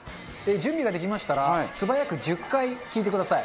準備ができましたら素早く１０回引いてください。